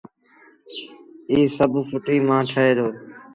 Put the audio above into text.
ايٚ سڀ ڦُٽيٚ مآݩ ٺهي دو